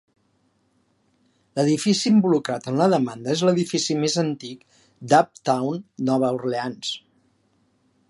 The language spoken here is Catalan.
L'edifici involucrat en la demanda és l'edifici més antic d'Uptown Nova Orleans.